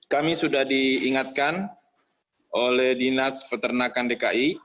kami sudah diingatkan oleh dinas peternakan dki